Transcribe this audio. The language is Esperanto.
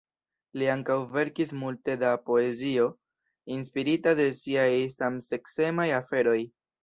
Li ankaŭ verkis multe da poezio inspirita de siaj samseksemaj aferoj.